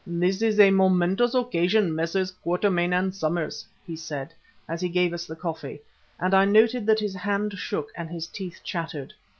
"This is a momentous occasion, Messrs. Quatermain and Somers," he said as he gave us the coffee, and I noted that his hand shook and his teeth chattered.